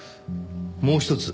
もう一つ。